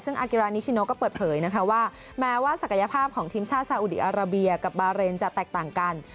ซึ่งอากิรานิชิโนก็เปิดเผยนะคะว่าแม้ว่าศักยภาพของทีมชาติสาอุดีอาราเบียกับบาเรนจะแตกต่างกัน